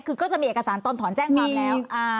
คือก็จะมีเอกสารตอนถอนแจ้งความแล้ว